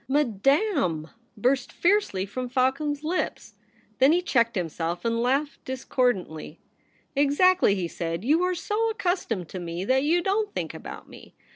* Madame !' burst fiercely from Falcon's lips. Then he checked himself, and laughed discordantly. ' Exactly,' he said ;' you are so accustomed to me that you don't think about me.